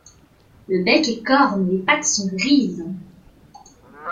Le bec est corne et les pattes sont grises.